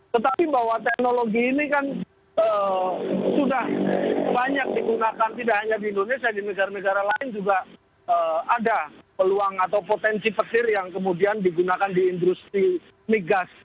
tetapi bahwa teknologi ini kan sudah banyak digunakan tidak hanya di indonesia di negara negara lain juga ada peluang atau potensi petir yang kemudian digunakan di industri migas